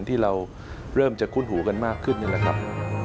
ที่เราเริ่มจะคุ้นหูกันมากขึ้นนี่แหละครับ